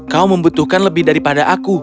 kau membutuhkan lebih daripada aku